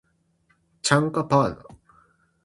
チャンカパーナ